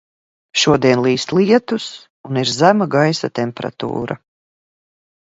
Šodien līst lietus un ir zema gaisa temperatūra.